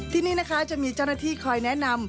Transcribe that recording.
ที่นี่นะคะจะมีเจ้าหน้าที่คอยแนะนำ